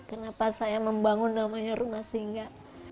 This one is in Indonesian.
kenapa saya membangun namanya rumah singga